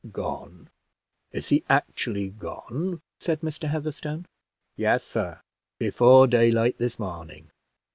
"Gone! is he actually gone?" said Mr. Heatherstone. "Yes, sir, before daylight this morning."